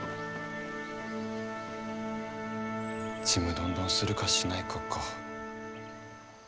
ちむどんどんするかしないかか。